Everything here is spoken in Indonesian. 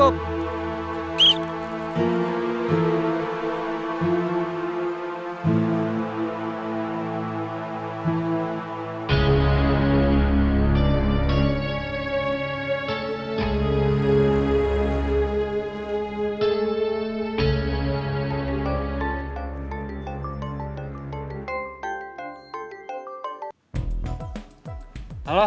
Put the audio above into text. terus terus terus terus terus terus terus terus terus terus terus terus terus